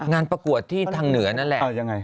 ประกวดที่ทางเหนือนั่นแหละ